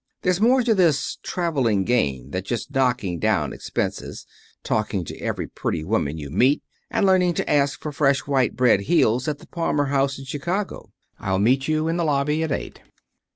There's more to this traveling game than just knocking down on expenses, talking to every pretty woman you meet, and learning to ask for fresh white bread heels at the Palmer House in Chicago. I'll meet you in the lobby at eight."